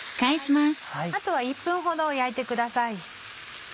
あとは１分ほど焼いてください。